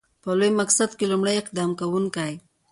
په لوی مقصد کې لومړی اقدام کوونکی.